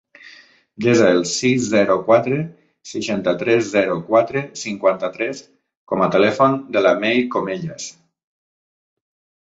Desa el sis, zero, quatre, seixanta-tres, zero, quatre, cinquanta-tres com a telèfon de la Mei Comellas.